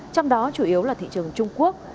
trong đó chủ yếu là thị trường trung quốc